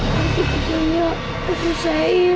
nanti kejadiannya aku selesaiin